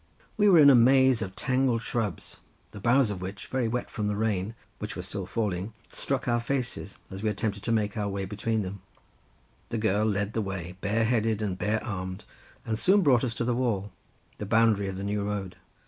We were in a maze of tangled shrubs, the boughs of which, very wet from the rain which was still falling, struck our faces, as we attempted to make our way between them; the girl led the way, bare headed and bare armed, and soon brought us to the wall, the boundary of the new road.